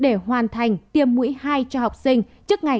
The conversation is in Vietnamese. để hoàn thành tiêm mũi hai cho học sinh trước ngày ba mươi một tháng một mươi hai